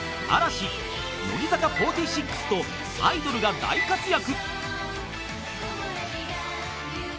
乃木坂４６とアイドルが大活躍］